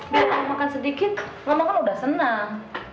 kalau kamu makan sedikit kamu kan sudah senang